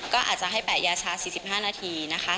ก็อาจจะให้๘ยาชา๔๕นาทีนะคะ